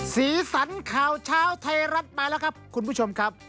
สีสันข่าวเช้าไทยรัฐมาแล้วครับคุณผู้ชมครับ